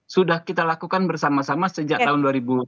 sudah kita lakukan bersama sama sejak tahun dua ribu dua